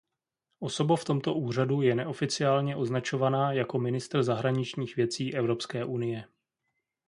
Osoba v tomto úřadu je neoficiálně označovaná jako ministr zahraničních věcí Evropské unie.